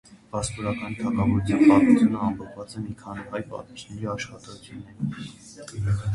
Վասպուրականի թագավորության պատմությունը ամփոփված է մի քանի հայ պատմիչների աշխատություններում։